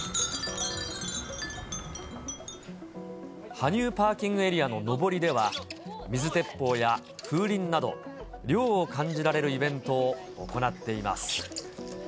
羽生パーキングエリアの上りでは、水鉄砲や風鈴など、涼を感じられるイベントを行っています。